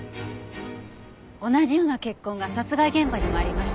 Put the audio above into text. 同じような血痕が殺害現場にもありました。